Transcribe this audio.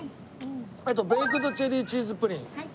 あとベイクドチェリーチーズプリン。